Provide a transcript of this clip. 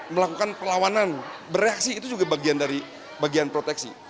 melakukan perlawanan bereaksi itu juga bagian dari bagian proteksi